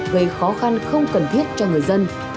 về khó khăn không cần thiết cho người dân